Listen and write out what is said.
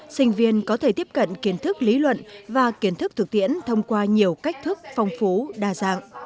sinh viên có thể tiếp cận kiến thức lý luận và kiến thức thực tiễn thông qua nhiều cách thức phong phú đa dạng